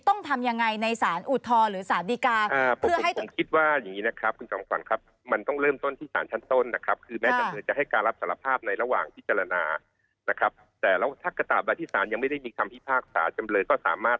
ต้องทำยังไงในสารอุดทธวรรมหรือสารดีการ